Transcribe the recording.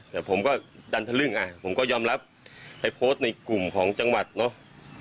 แต่ผมก็ดันทะลึ่งอ่ะผมก็ยอมรับไปโพสต์ในกลุ่มของจังหวัดเนอะ